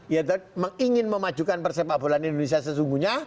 ya itu ingin memajukan persepak bola di indonesia sesungguhnya